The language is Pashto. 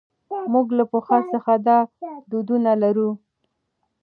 موږ له پخوا څخه دا دودونه لرو.